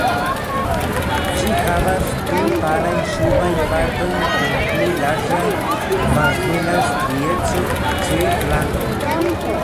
Ĝi havas pli palajn subajn partojn kun pli larĝa, malhela strieco ĉe flankoj.